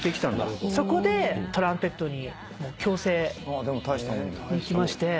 そこでトランペットに強制でいきまして。